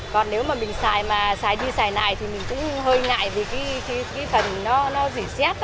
còn nếu mà mình xài mà xài đi xài lại thì mình cũng hơi ngại vì cái phần nó dỉ xét